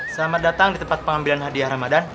selamat datang di tempat pengambilan hadiah ramadan